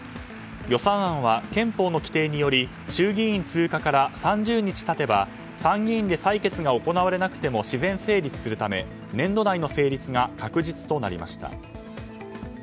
予算案は憲法の規定により衆議院通過から３０日経てば参議院で採決が行われなくても自然成立するため年度内の成立が確実となりました。